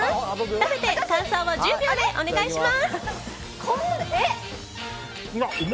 食べて感想を１０秒でお願いします。